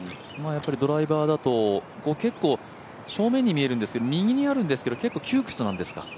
やっぱりドライバーだと結構正面に見えるんですが右にあるんですけど、結構、窮屈なんですか？